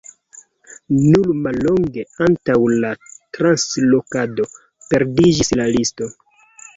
Nur mallongege antaŭ la translokado perdiĝis la listo.